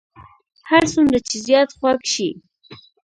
هر څومره چې زیات خوږ شي.